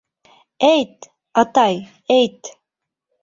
— Әйт, атай, әйт!..